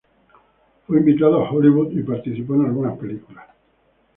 Fue invitado a Hollywood y participó en algunas películas.